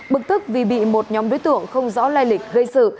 bực tức vì bị một nhóm đối tượng không rõ lai lịch gây sự